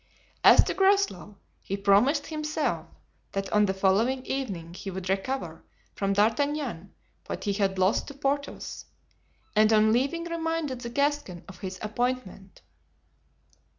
As to Groslow, he promised himself that on the following evening he would recover from D'Artagnan what he had lost to Porthos, and on leaving reminded the Gascon of his appointment.